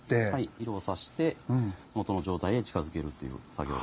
色をさして元の状態へ近づけるという作業ですね。